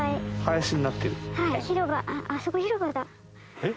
えっ？